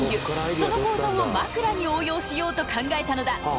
その構造を枕に応用しようと考えたのだ。